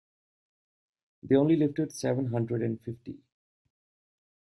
They only lifted seven hundred and fifty.